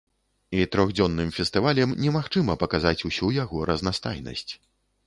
І трохдзённым фестывалем немагчыма паказаць усю яго разнастайнасць.